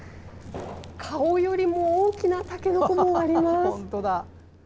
顔よりも大きなたけのこもあります。